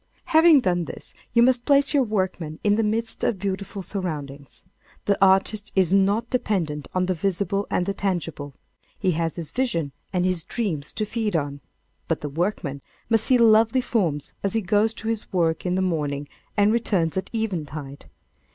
Having done this, you must place your workman in the midst of beautiful surroundings. The artist is not dependent on the visible and the tangible. He has his visions and his dreams to feed on. But the workman must see lovely forms as he goes to his work in the morning and returns at eventide.